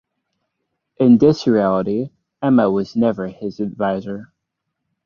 In this reality, Emma was never his adviser.